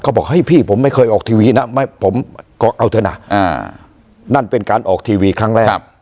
บอกเฮ้ยพี่ผมไม่เคยออกทีวีนะผมก็เอาเถอะนะนั่นเป็นการออกทีวีครั้งแรก